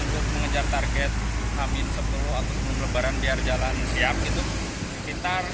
untuk mengejar target hamin sepuluh agustus